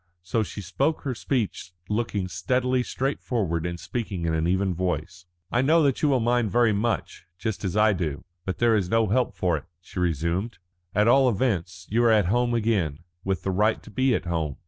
So she spoke her speech looking steadily straight forward and speaking in an even voice. "I know that you will mind very much, just as I do. But there is no help for it," she resumed. "At all events you are at home again, with the right to be at home.